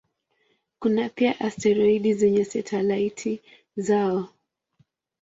Kuna pia asteroidi zenye satelaiti zao.